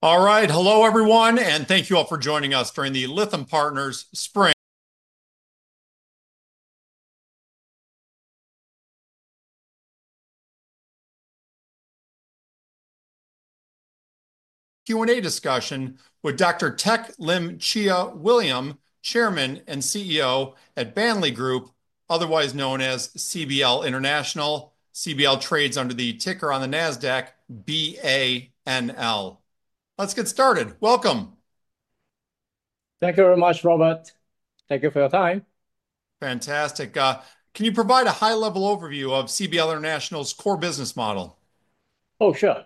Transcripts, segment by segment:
All right, hello everyone, and thank you all for joining us during the Lytham Partners Spring Q&A discussion with Dr. Teck Lim Chia, Chairman and CEO at CBL International. CBL trades under the ticker on the NASDAQ, BANL. Let's get started. Welcome. Thank you very much, Robert. Thank you for your time. Fantastic. Can you provide a high-level overview of CBL International's core business model? Oh, sure.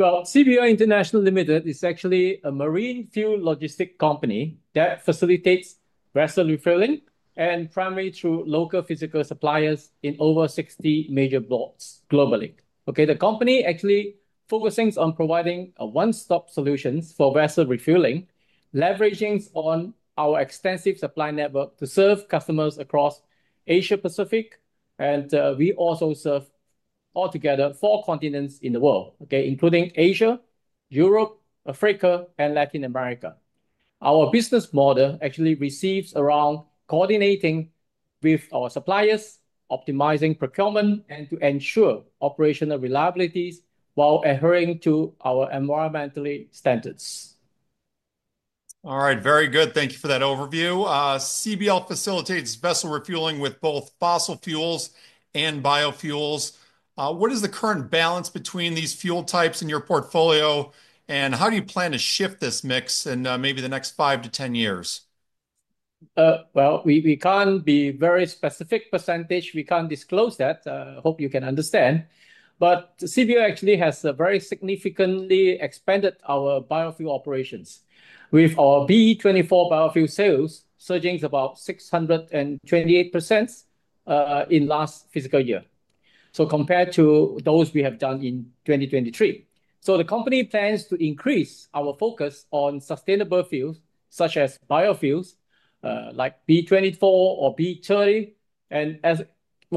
CBL International Limited is actually a marine fuel logistics company that facilitates vessel refueling and primarily through local physical suppliers in over 60 major blocks globally. Okay, the company actually focuses on providing one-stop solutions for vessel refueling, leveraging our extensive supply network to serve customers across Asia-Pacific. We also serve altogether four continents in the world, including Asia, Europe, Africa, and Latin America. Our business model actually resides around coordinating with our suppliers, optimizing procurement, and ensuring operational reliability while adhering to our environmental standards. All right, very good. Thank you for that overview. CBL facilitates vessel refueling with both fossil fuels and biofuels. What is the current balance between these fuel types in your portfolio, and how do you plan to shift this mix in maybe the next 5-10 years? We can't be very specific percentage. We can't disclose that. I hope you can understand. CBL actually has very significantly expanded our biofuel operations, with our B24 biofuel sales surging about 628% in the last fiscal year, compared to those we have done in 2023. The company plans to increase our focus on sustainable fuels such as biofuels, like B24 or B30. As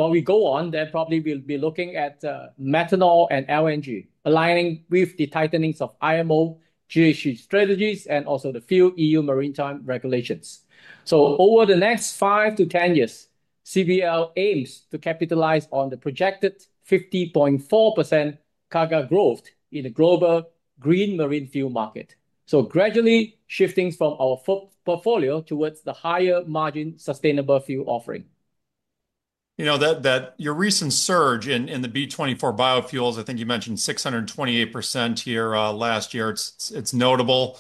we go on, then probably we'll be looking at methanol and LNG, aligning with the tightening of IMO GHG strategies and also the few EU maritime regulations. Over the next 5-10 years, CBL aims to capitalize on the projected 50.4% growth in the global green marine fuel market, gradually shifting from our portfolio towards the higher margin sustainable fuel offering. You know that your recent surge in the B24 biofuels, I think you mentioned 628% here last year. It's notable.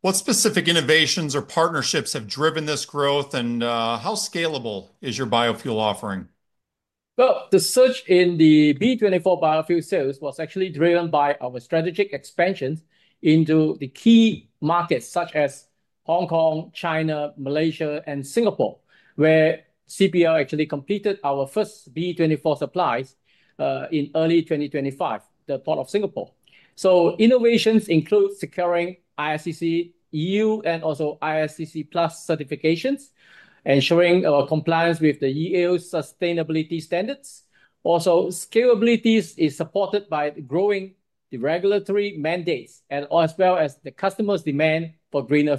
What specific innovations or partnerships have driven this growth, and how scalable is your biofuel offering? The surge in the B24 biofuel sales was actually driven by our strategic expansion into key markets such as Hong Kong, China, Malaysia, and Singapore, where CBL actually completed our first B24 supplies in early 2025 at the Port of Singapore. Innovations include securing ISCC EU and also ISCC PLUS certifications, ensuring compliance with the EU sustainability standards. Also, scalability is supported by growing regulatory mandates as well as the customer's demand for greener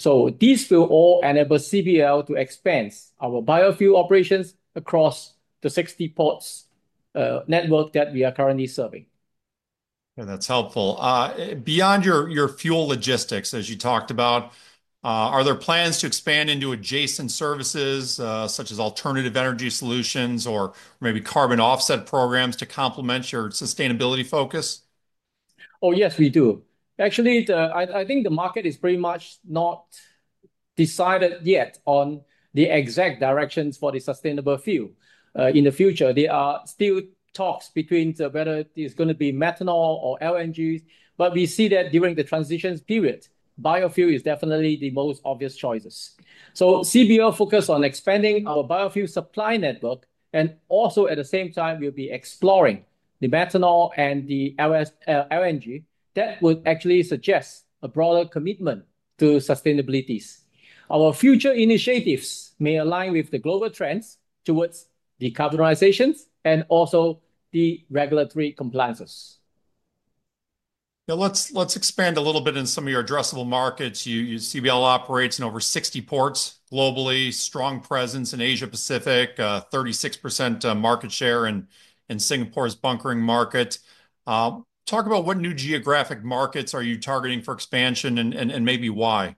fuels. These will all enable CBL to expand our biofuel operations across the 60 ports network that we are currently serving. That's helpful. Beyond your fuel logistics, as you talked about, are there plans to expand into adjacent services such as alternative energy solutions or maybe carbon offset programs to complement your sustainability focus? Oh, yes, we do. Actually, I think the market is pretty much not decided yet on the exact directions for the sustainable fuel. In the future, there are still talks between whether it's going to be methanol or LNG, but we see that during the transition period, biofuel is definitely the most obvious choices. So CBL focuses on expanding our biofuel supply network, and also at the same time, we'll be exploring the methanol and the LNG. That would actually suggest a broader commitment to sustainability. Our future initiatives may align with the global trends towards decarbonization and also the regulatory compliances. Now, let's expand a little bit in some of your addressable markets. CBL operates in over 60 ports globally, strong presence in Asia-Pacific, 36% market share in Singapore's bunkering market. Talk about what new geographic markets are you targeting for expansion and maybe why?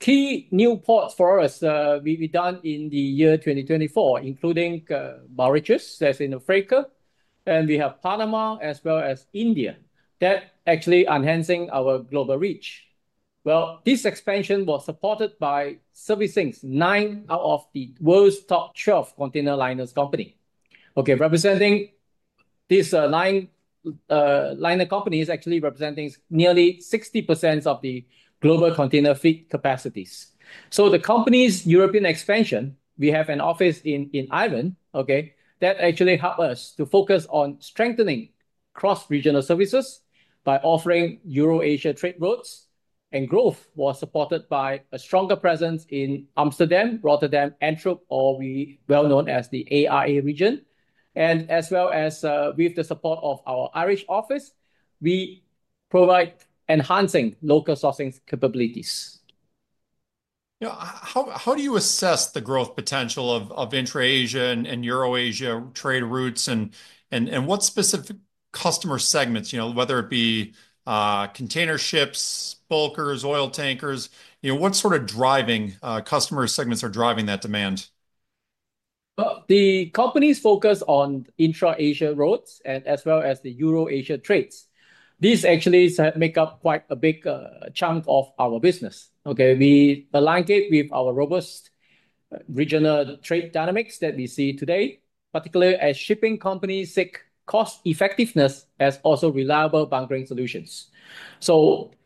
Key new ports for us will be done in the year 2024, including Mauritius, as in Africa, and we have Panama as well as India. That actually enhances our global reach. This expansion was supported by servicing nine out of the world's top 12 container liners companies. Representing these nine liner companies actually represents nearly 60% of the global container fleet capacities. The company's European expansion, we have an office in Ireland. That actually helps us to focus on strengthening cross-regional services by offering Euro-Asia trade routes. Growth was supported by a stronger presence in Amsterdam, Rotterdam, Antwerp, or well known as the ARA region. As well as with the support of our Irish office, we provide enhancing local sourcing capabilities. How do you assess the growth potential of intra-Asia and Euro-Asia trade routes? What specific customer segments, whether it be container ships, bulkers, oil tankers, what sort of driving customer segments are driving that demand? The company's focus on intra-Asia routes and as well as the Euro-Asia trades. These actually make up quite a big chunk of our business. Okay, we align it with our robust regional trade dynamics that we see today, particularly as shipping companies seek cost-effectiveness as also reliable bunkering solutions.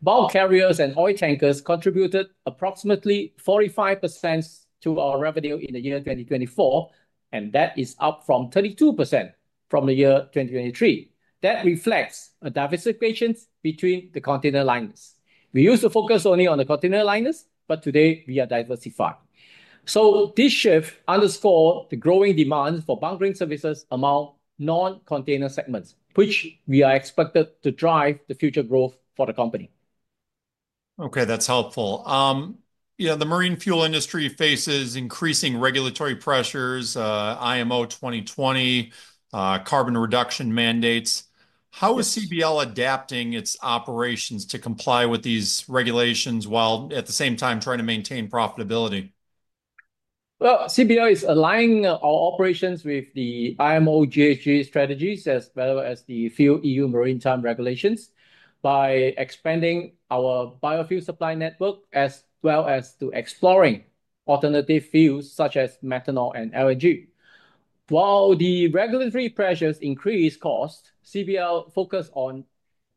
Bulk carriers and oil tankers contributed approximately 45% to our revenue in the year 2024, and that is up from 32% from the year 2023. That reflects a diversification between the container liners. We used to focus only on the container liners, but today we are diversified. This shift underscores the growing demand for bunkering services among non-container segments, which we are expected to drive the future growth for the company. Okay, that's helpful. The marine fuel industry faces increasing regulatory pressures, IMO 2020, carbon reduction mandates. How is CBL adapting its operations to comply with these regulations while at the same time trying to maintain profitability? CBL is aligning our operations with the IMO GHG strategies as well as the EU maritime regulations by expanding our biofuel supply network as well as exploring alternative fuels such as methanol and LNG. While the regulatory pressures increase cost, CBL focuses on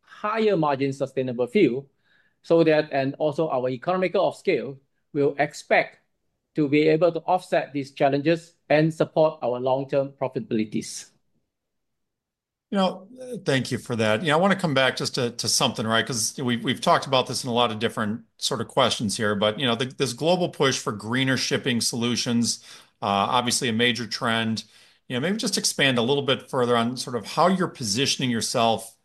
higher margin sustainable fuel so that, and also our economy of scale, will expect to be able to offset these challenges and support our long-term profitabilities. Thank you for that. I want to come back just to something, right? Because we've talked about this in a lot of different sort of questions here, but this global push for greener shipping solutions, obviously a major trend. Maybe just expand a little bit further on sort of how you're positioning yourself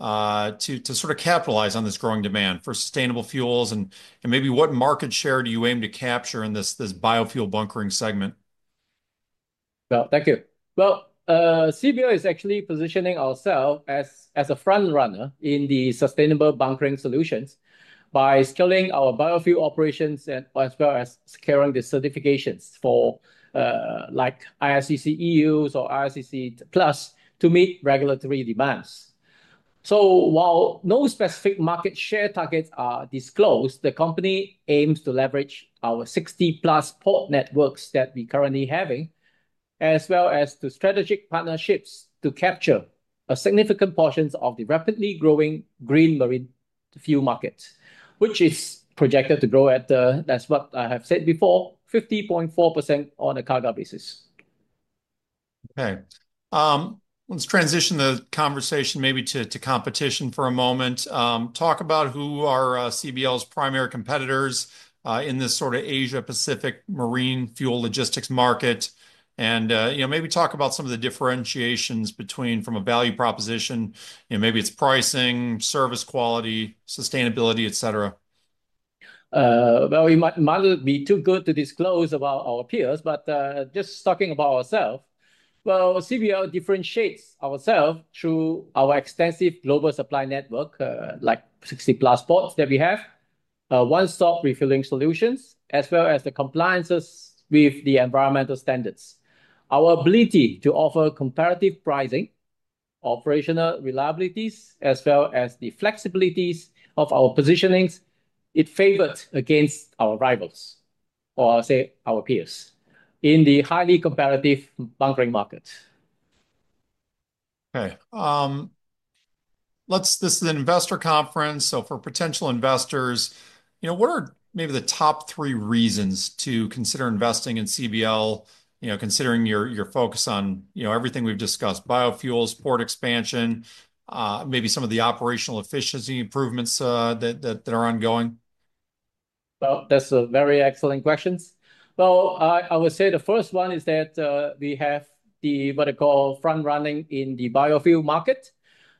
to sort of capitalize on this growing demand for sustainable fuels and maybe what market share do you aim to capture in this biofuel bunkering segment? Thank you. CBL is actually positioning ourselves as a front runner in the sustainable bunkering solutions by scaling our biofuel operations as well as securing the certifications for like ISCC EU or ISCC PLUS to meet regulatory demands. While no specific market share targets are disclosed, the company aims to leverage our 60+ port networks that we currently have as well as the strategic partnerships to capture significant portions of the rapidly growing green marine fuel market, which is projected to grow at, that's what I have said before, 50.4% on a cargo basis. Okay. Let's transition the conversation maybe to competition for a moment. Talk about who are CBL's primary competitors in this sort of Asia-Pacific marine fuel logistics market and maybe talk about some of the differentiations from a value proposition. Maybe it's pricing, service quality, sustainability, etc. It might be too good to disclose about our peers, but just talking about ourselves, CBL differentiates ourselves through our extensive global supply network, like 60+ ports that we have, one-stop refueling solutions, as well as the compliance with the environmental standards. Our ability to offer comparative pricing, operational reliabilities, as well as the flexibilities of our positionings, it favors against our rivals, or I'll say our peers in the highly competitive bunkering market. Okay. This is an investor conference. So for potential investors, what are maybe the top three reasons to consider investing in CBL, considering your focus on everything we've discussed, biofuels, port expansion, maybe some of the operational efficiency improvements that are ongoing? That's a very excellent question. I would say the first one is that we have what I call front running in the biofuel market.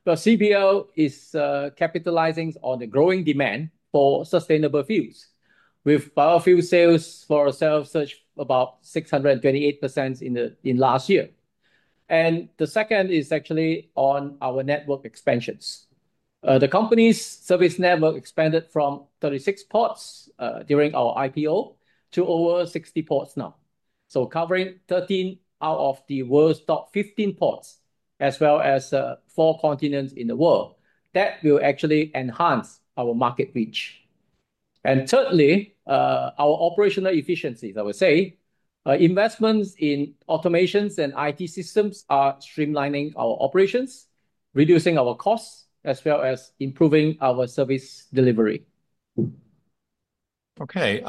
CBL is capitalizing on the growing demand for sustainable fuels. With biofuel sales for ourselves surge about 628% in the last year. The second is actually on our network expansions. The company's service network expanded from 36 ports during our IPO to over 60 ports now, covering 13 out of the world's top 15 ports, as well as four continents in the world. That will actually enhance our market reach. Thirdly, our operational efficiencies, I would say. Investments in automations and IT systems are streamlining our operations, reducing our costs, as well as improving our service delivery. Okay.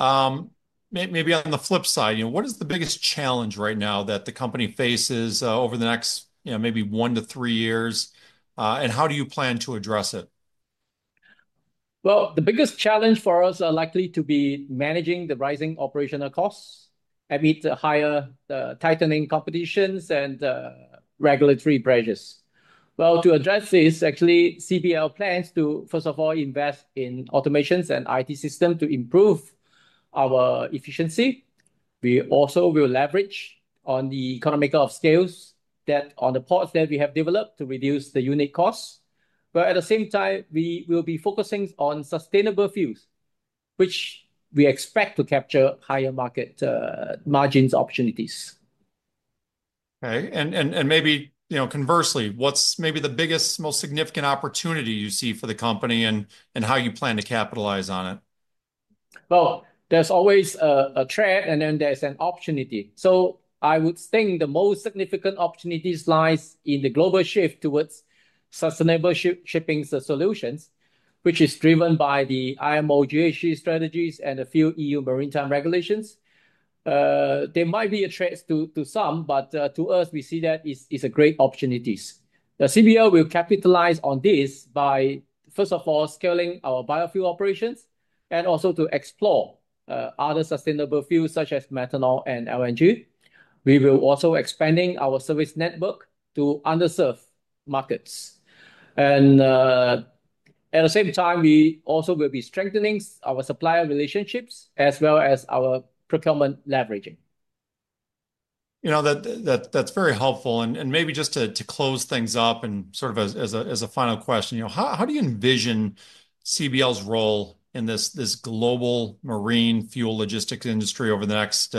Maybe on the flip side, what is the biggest challenge right now that the company faces over the next maybe 1-3 years, and how do you plan to address it? The biggest challenge for us is likely to be managing the rising operational costs amid the higher tightening competitions and regulatory pressures. To address this, actually, CBL plans to, first of all, invest in automations and IT systems to improve our efficiency. We also will leverage on the economical scales that on the ports that we have developed to reduce the unit costs. At the same time, we will be focusing on sustainable fuels, which we expect to capture higher market margins opportunities. Okay. Maybe conversely, what's maybe the biggest, most significant opportunity you see for the company and how you plan to capitalize on it? There is always a threat, and then there is an opportunity. I would think the most significant opportunity lies in the global shift towards sustainable shipping solutions, which is driven by the IMO GHG strategies and a few EU maritime regulations. There might be a threat to some, but to us, we see that it is a great opportunity. CBL will capitalize on this by, first of all, scaling our biofuel operations and also to explore other sustainable fuels such as methanol and LNG. We will also be expanding our service network to underserved markets. At the same time, we also will be strengthening our supplier relationships as well as our procurement leveraging. That's very helpful. Maybe just to close things up and sort of as a final question, how do you envision CBL's role in this global marine fuel logistics industry over the next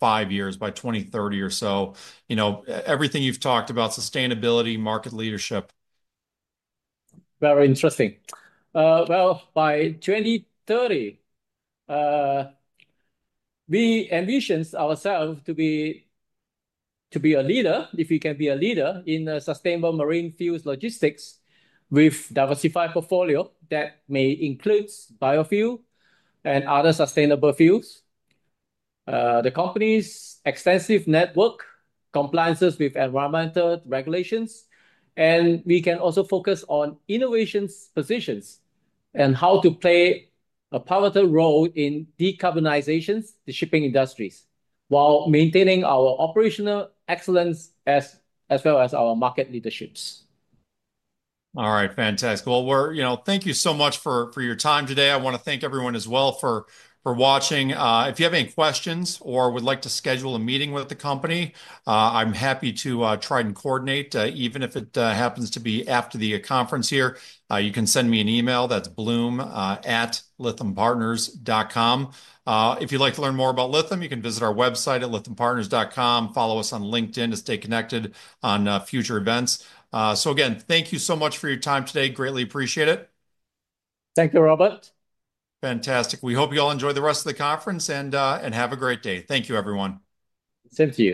five years by 2030 or so? Everything you've talked about, sustainability, market leadership. Very interesting. By 2030, we envision ourselves to be a leader, if we can be a leader in sustainable marine fuels logistics with a diversified portfolio that may include biofuel and other sustainable fuels. The company's extensive network, compliances with environmental regulations, and we can also focus on innovation positions and how to play a positive role in decarbonization of the shipping industries while maintaining our operational excellence as well as our market leaderships. All right. Fantastic. Thank you so much for your time today. I want to thank everyone as well for watching. If you have any questions or would like to schedule a meeting with the company, I'm happy to try and coordinate, even if it happens to be after the conference here. You can send me an email. That's bloom@lythampartners.com. If you'd like to learn more about Lytham, you can visit our website at lithiumpartners.com. Follow us on LinkedIn to stay connected on future events. Again, thank you so much for your time today. Greatly appreciate it. Thank you, Robert. Fantastic. We hope you all enjoy the rest of the conference and have a great day. Thank you, everyone. Same to you.